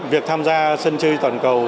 việc tham gia sân chơi toàn cầu